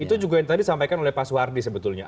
itu juga yang tadi disampaikan oleh pak suwardi sebetulnya